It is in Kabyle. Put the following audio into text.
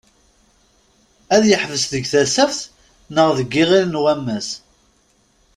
Ad yeḥbes deg Tasaft neɣ deg Iɣil n wammas?